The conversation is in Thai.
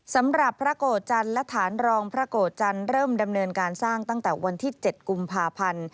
สำหรับพระโกจันทร์และฐานรองพระโกรธจันทร์เริ่มดำเนินการสร้างตั้งแต่วันที่๗กุมภาพันธ์